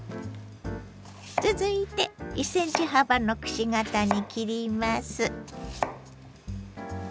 続いて１ｃｍ幅のくし形に切ります。